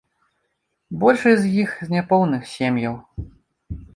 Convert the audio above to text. Большасць з іх з няпоўных сем'яў.